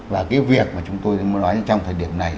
và cái việc mà chúng tôi muốn nói trong thời điểm này